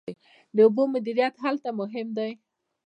د اوبو مدیریت هلته مهم دی.